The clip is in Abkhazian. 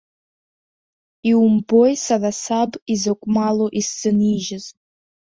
Иумбои сара саб изакә малу исзынижьыз.